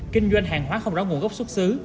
kinh doanh hàng hóa không rõ nguồn gốc xuất xứ